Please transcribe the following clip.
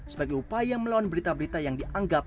sebagai upaya melawan berita berita yang dianggap